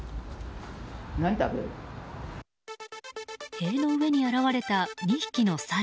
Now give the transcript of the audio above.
塀の上に現れた２匹のサル。